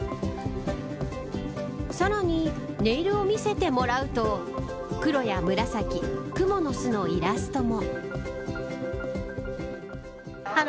さらにネイルを見せてもらうと黒や紫、クモの巣のイラストも。